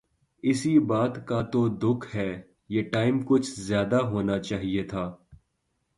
اسی بات کا تو دکھ ہے۔ یہ ٹائم کچھ زیادہ ہونا چاہئے تھا